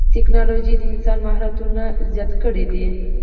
ټکنالوجي د انسان مهارتونه زیات کړي دي.